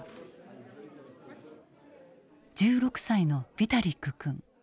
１６歳のヴィタリック君。